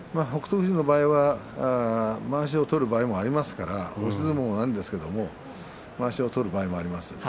富士の場合はまわしを取れる場合もありますから押し相撲なんですけどまわしを取る場合があります。